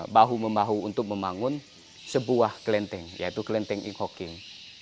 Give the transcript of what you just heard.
bahu membahu untuk membangun sebuah kelenteng yaitu kelenteng ingho king